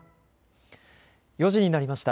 ４時になりました。